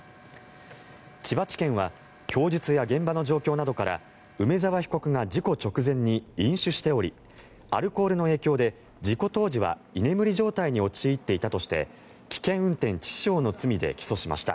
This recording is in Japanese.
千葉地検は供述や現場の状況などから梅沢被告が事故直前に飲酒しておりアルコールの影響で、事故当時は居眠り状態に陥っていたとして危険運転致死傷の罪で起訴しました。